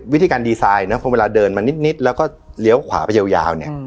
วิธีการดีไซน์เนี้ยเพราะเวลาเดินมานิดนิดแล้วก็เลี้ยวขวาไปยาวยาวเนี้ย